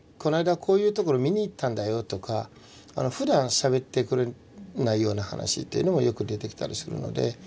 こういうところ見にいったんだよとかふだんしゃべってくれないような話っていうのもよく出てきたりするので。